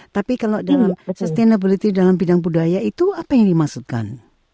tapi kalau dalam sustainability dalam bidang budaya itu apa yang dimaksudkan